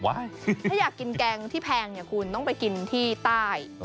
ถ้าอยากกินแกงที่แพงเนี่ยคุณต้องไปกินที่ใต้